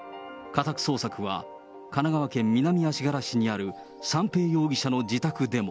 家宅捜索は神奈川県南足柄市にある三瓶容疑者の自宅でも。